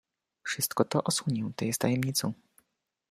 "Wszystko to osłonięte jest tajemnicą."